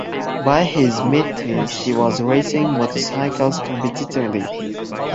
By his mid-teens he was racing motorcycles competitively.